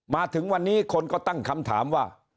มาถึงวันนี้คนก็ตั้งคำถามว่า